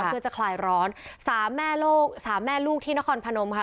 เพื่อจะคลายร้อนสามแม่ลูกสามแม่ลูกที่นครพนมค่ะ